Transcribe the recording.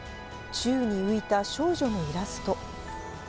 宙に浮いた少女のイラスト。